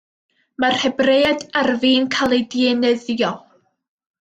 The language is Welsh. Mae'r Hebreaid ar fin cael eu dienyddio.